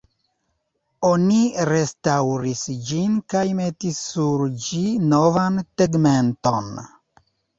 Oni restaŭris ĝin kaj metis sur ĝi novan tegmenton.